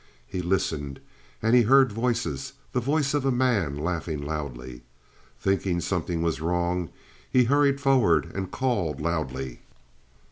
He listened, and he heard voices the voice of a man, laughing loudly. Thinking something was wrong, he hurried forward and called loudly.